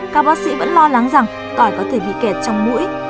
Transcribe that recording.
các bác sĩ vẫn lo lắng rằng tỏi có thể bị kẹt trong mũi